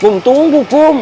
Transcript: kum tunggu kum